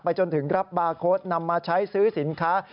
จนถึงรับบาร์โค้ดนำมาใช้ซื้อสินค้า